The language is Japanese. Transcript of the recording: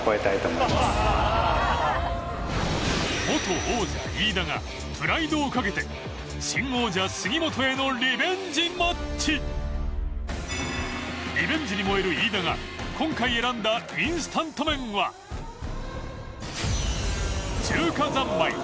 元王者飯田がプライドをかけて新王者杉本へのリベンジマッチリベンジに燃える飯田が今回選んだインスタント麺は中華三昧